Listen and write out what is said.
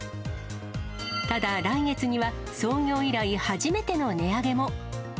ただ、来月には、創業以来初めての値上げも。